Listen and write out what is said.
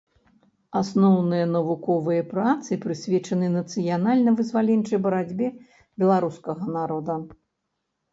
Асноўныя навуковыя працы прысвечаны нацыянальна-вызваленчай барацьбе беларускага народа.